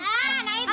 hah nah itu